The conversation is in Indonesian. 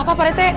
apa pak rete